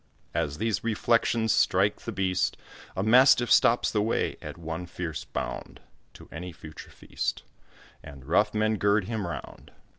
As these reflections strike the beast, A mastiff stops the way, at one fierce bound, To any future feast, And rough men gird him round.